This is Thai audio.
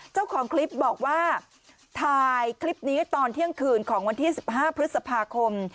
เจ้าของคลิปบอกว่าถ่ายคลิปนี้ตอนเที่ยงคืนของวันที่๑๕พฤษภาคม